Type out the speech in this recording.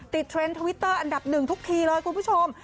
เทรนด์ทวิตเตอร์อันดับหนึ่งทุกทีเลยคุณผู้ชม